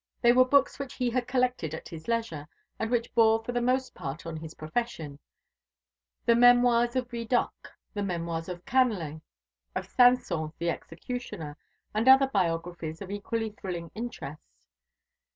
They were books which he had collected at his leisure, and which bore for the most part on his profession: the memoirs of Vidocq, the memoirs of Canler, of Sanson the executioner, and other biographies of equally thrilling interest.